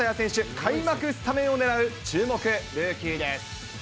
開幕スタメンを狙う注目ルーキーです。